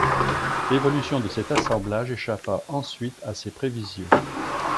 L'évolution de cet assemblage échappa ensuite à ses prévisions.